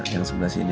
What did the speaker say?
yang sebelah sini